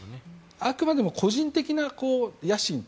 あくまでも個人的な野心。